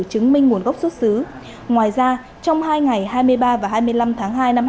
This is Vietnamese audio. chứng minh nguồn gốc xuất xứ ngoài ra trong hai ngày hai mươi ba và hai mươi năm tháng hai